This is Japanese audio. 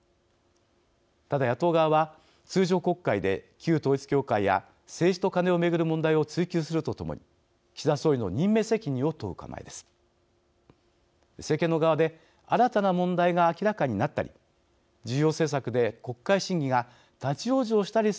ただ、野党側は通常国会で旧統一教会や政治とカネを巡る問題を追及するとともに、岸田総理の任命責任を問う構えです。